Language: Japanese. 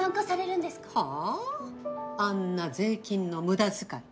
あんな税金の無駄遣い